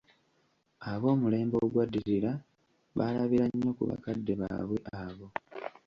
Ab'omulembe ogwaddirira baalabira nnyo ku bakadde baabwe abo.